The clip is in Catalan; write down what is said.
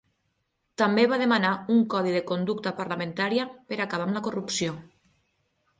També va demanar un codi de conducta parlamentària per acabar amb la corrupció.